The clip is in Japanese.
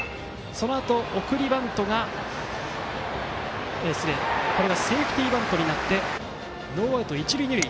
そのあと送りバントがセーフティーバントになってノーアウト一塁二塁。